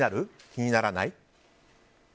気にならない？